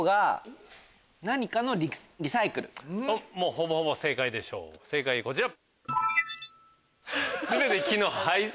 ほぼほぼ正解でしょう正解こちら！